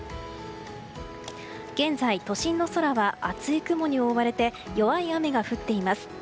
現在、都心の空は厚い雲に覆われて弱い雨が降っています。